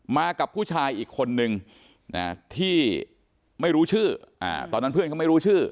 มากับผู้ชายอีกคนนึงที่ไม่รู้ชื่อตอนนั้นเพื่อนเขาไม่รู้ชื่อ